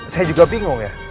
saya juga bingung ya